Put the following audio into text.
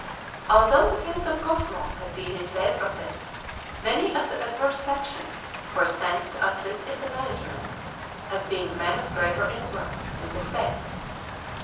Although the friends of Cosmo had been in favor of it, many of the adverse faction were sent to assist in the management, as being men of greater influence in the state.